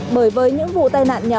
bởi với những vụ tai nạn nhỏ